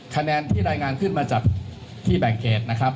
คะแนนที่รายงานขึ้นมาจากที่แบ่งเขตนะครับ